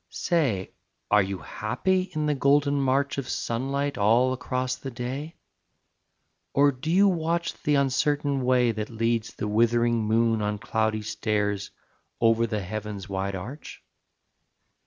"Say, are you happy in the golden march Of sunlight all across the day? Or do you watch the uncertain way That leads the withering moon on cloudy stairs Over the heaven's wide arch?